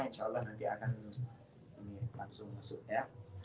insyaallah nanti akan langsung masuk ya